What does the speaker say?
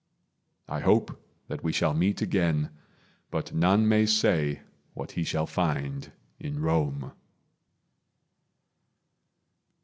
I hope that we shall meet again, But none may say what he shall find in Rome.